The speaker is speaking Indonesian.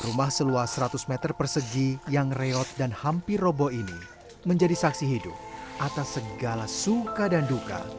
rumah seluas seratus meter persegi yang reot dan hampir robo ini menjadi saksi hidup atas segala suka dan duka